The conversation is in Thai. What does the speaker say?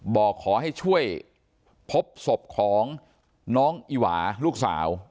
บอกขอให้ช่วยพบศพของน้องอีหวาลูกสาว